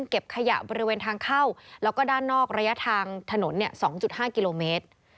เก็บขยะบริเวณทางเข้าแล้วก็ด้านนอกระยะทางถนน๒๕กิโลเมตร